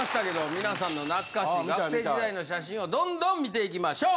皆さんの懐かしい学生時代の写真をどんどん見ていきましょう。